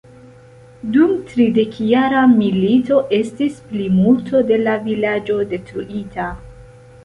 Dum tridekjara milito estis plimulto de la vilaĝo detruita.